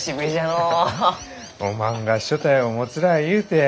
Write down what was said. おまんが所帯を持つらあゆうて。